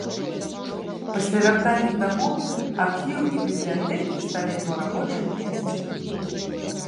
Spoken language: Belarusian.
Пасля вяртання дамоў архіў і бібліятэкі сталі яго рабочым месцам.